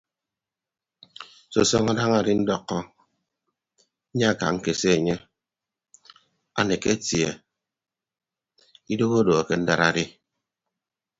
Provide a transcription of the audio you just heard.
Sọsọñọ daña adindọkọ nyaaka ñkese enye aneke atie idoho odo akendad adi.